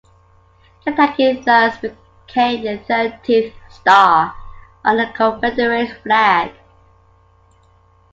Kentucky thus became the thirteenth star on the Confederate flag.